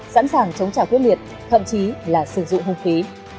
sẵn sàng chống trả quyết liệt thậm chí là sử dụng hùng phí